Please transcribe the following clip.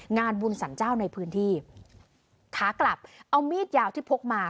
งานบุญสรรเจ้าในพื้นที่ขากลับเอามีดยาวที่พกมา